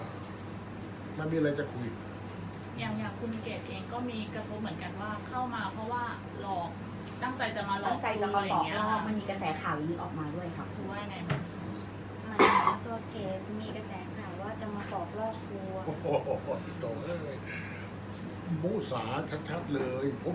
อันไหนที่มันไม่จริงแล้วอาจารย์อยากพูด